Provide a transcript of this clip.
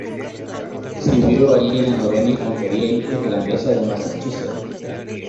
Sirvió allí en la novena infantería irlandesa de Massachusetts.